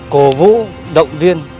cố vũ động viên